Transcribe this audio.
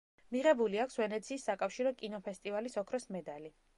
მიღებული აქვს ვენეციის საკავშირო კინოფესტივალის ოქროს მედალი.